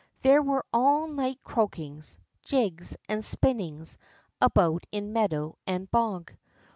There were all night croakings, jigs, and spinnings about in meadow and bog.